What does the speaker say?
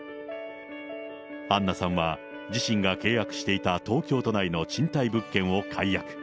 アンナさんは自身が契約していた東京都内の賃貸物件を解約。